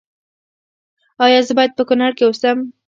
ایا زه باید په کنړ کې اوسم؟